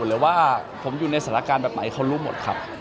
หรือว่าผมอยู่ในสถานการณ์แบบไหนเขารู้หมดครับ